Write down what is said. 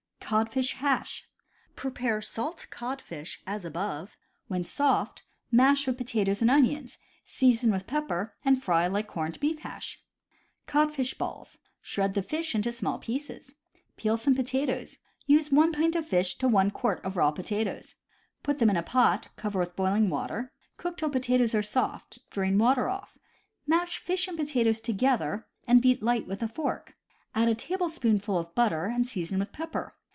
Codfish Hash. — Prepare salt codfish as above. When soft, mash with potatoes and onions, season with pepper, and fry like corned beef hash. Codfish Balls. — Shred the fish into small pieces. Peel some potatoes. Use one pint of fish to one quart of raw potatoes. Put them in a pot, cover with boiling water, cook till potatoes are soft, drain water off, mash fish and potatoes together, and beat light with a fork. Add a tablespoonful of butter and season with pepper.